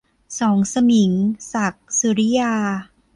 สองสมิง - ศักดิ์ สุริยา